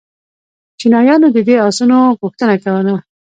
چینایانو د دې آسونو غوښتنه کوله